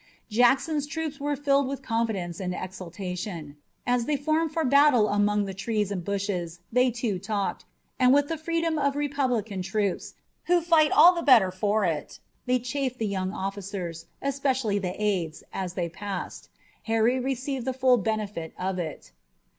Jackson's troops were filled with confidence and exultation. As they formed for battle among the trees and bushes they too talked, and with the freedom of republican troops, who fight all the better for it, they chaffed the young officers, especially the aides, as they passed. Harry received the full benefit of it.